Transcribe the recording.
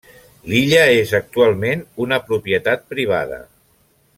L'illa és actualment una propietat privada.